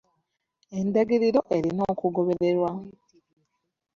Endagiriro erina okugobererwa.